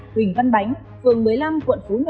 huỳnh văn bánh phường một mươi năm quận phú nhuận